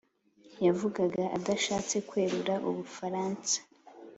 Yavugaga adashatse kwerura u Bufaransa